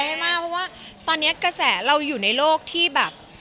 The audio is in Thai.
มากเพราะว่าตอนนี้กระแสเราอยู่ในโลกที่แบบ